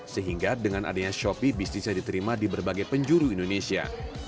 sehingga dengan adanya shopee bisnisnya diterima di berbagai penjuru indonesia